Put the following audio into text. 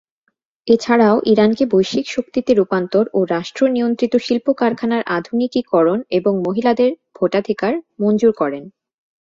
এছাড়াও ইরানকে বৈশ্বিক শক্তিতে রূপান্তর ও রাষ্ট্র নিয়ন্ত্রিত শিল্প-কারখানার আধুনিকীকরণ এবং মহিলাদের ভোটাধিকার মঞ্জুর করেন।